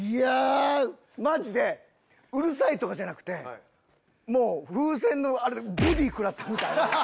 マジでうるさいとかじゃなくて風船のあれでボディー食らったみたいな。